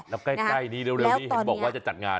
แล้วใกล้นี้เร็วนี้เห็นบอกว่าจะจัดงาน